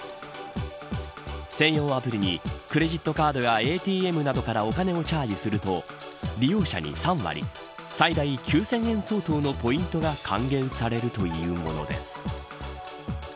専用アプリにクレジットカードやＡＴＭなどからお金をチャージすると利用者に３割最大９０００円相当のポイントが還元されるというものです。